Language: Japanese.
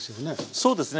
そうですね。